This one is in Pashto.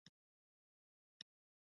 سترګې مې په یوه کانتینر ولګېدي.